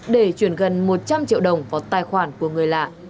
để chuyển gần một trăm linh triệu đồng vào tài khoản của người lạ